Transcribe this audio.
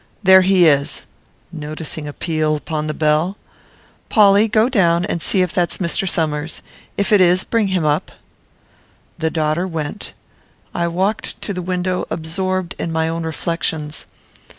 There he is;" (noticing a peal upon the bell.) "Polly, go down, and see if that's Mr. Somers. If it is, bring him up." The daughter went. I walked to the window absorbed in my own reflections.